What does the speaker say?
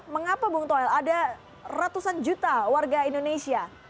mengapa bung toel ada ratusan juta warga indonesia